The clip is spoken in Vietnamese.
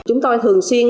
chúng tôi thường xuyên